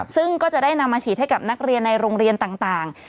ซึ่งก็จะได้นำมาฉีดให้กับนักเรียนในโรงเรียนต่าง